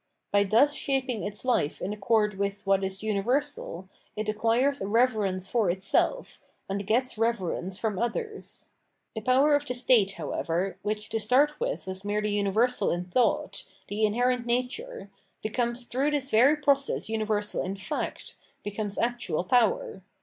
By thus shaping its hfe in accord with what is universal, it acquires a Eeverence for itself, and gets reverence from others. The power of the state, however, which to start with was merely universal in thought, the inherent nature, becomes through this very process universal in fact, becomes actual power.